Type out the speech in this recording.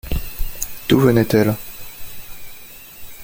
D’où venait-elle?